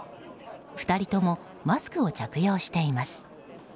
２人ともマスクを着用しています。